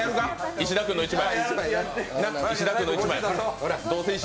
石田君の１枚。